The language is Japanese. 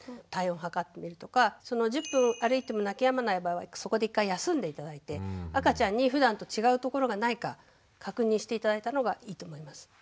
体温を測ってみるとか１０分歩いても泣きやまない場合はそこで一回休んで頂いて赤ちゃんにふだんと違うところがないか確認して頂いた方がいいと思います。